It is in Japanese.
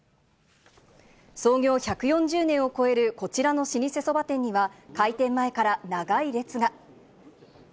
創業１４０年を超えるこちらの老舗そば店には、開店前から長い列が。